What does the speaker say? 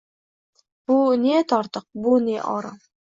Bu ne tortiq, be ne orom